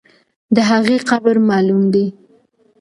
د هغې قبر معلوم دی.